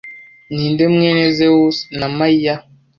Ninde mwene Zewusi na Maia